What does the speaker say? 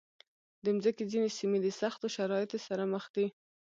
د مځکې ځینې سیمې د سختو شرایطو سره مخ دي.